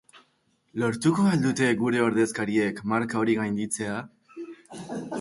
Lortuko al dute gure ordezkariek marka hori gainditzea?